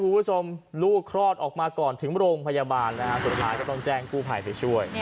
ผู้ผู้ชมลูกคลอดออกมาก่อนถึงโรงพยาบาลสุดท้ายก็ต้องแจ้งกู้ไผ่ไปช่วย